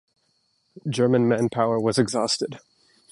German manpower was exhausted.